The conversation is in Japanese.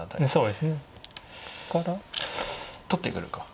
取ってくるか。